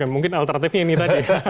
mungkin alternatifnya ini tadi